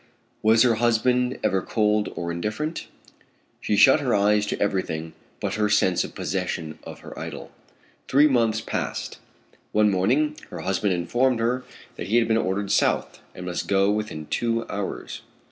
Was her husband ever cold or indifferent? She shut her eyes to everything but her sense of possession of her idol. Three months passed. One morning her husband informed her that he had been ordered South, and must go within two hours.